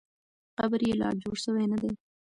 قبر یې لا جوړ سوی نه دی.